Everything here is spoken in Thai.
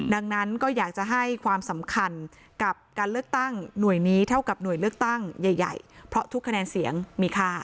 ดังนั้นก็อยากจะให้ความสำคัญกับการเลือกตั้งหน่วยนี้เท่ากับหน่วยเลือกตั้งใหญ่เพราะทุกคะแนนเสียงมีค่า